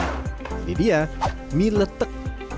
ini dia mie letek